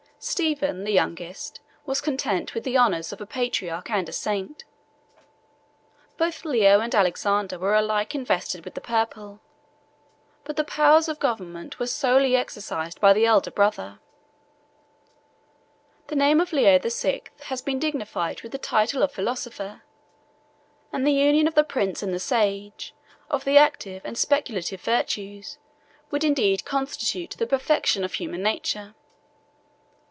Stephen, the youngest, was content with the honors of a patriarch and a saint; both Leo and Alexander were alike invested with the purple, but the powers of government were solely exercised by the elder brother. The name of Leo the Sixth has been dignified with the title of philosopher; and the union of the prince and the sage, of the active and speculative virtues, would indeed constitute the perfection of human nature.